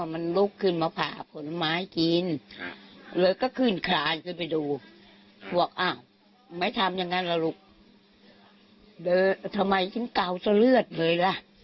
ไม่ทำอย่างนั้นล่ะลูกทำไมถึงเก่าซะเลือดเลยล่ะ